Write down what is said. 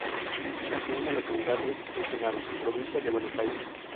Nació en la localidad de Ensenada, provincia de Buenos Aires.